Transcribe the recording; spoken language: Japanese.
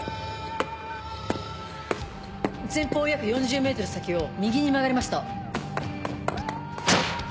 前方約４０ｍ先を右に曲がりました。